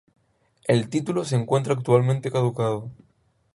El título se encuentra actualmente caducado.